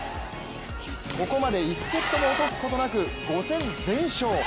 ここまで１セットも落とすことなく５戦全勝！